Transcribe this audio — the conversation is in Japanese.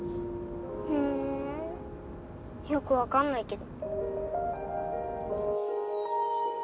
ふんよくわかんないけど。